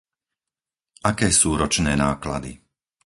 Aké sú ročné náklady?